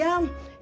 yang artis itu mak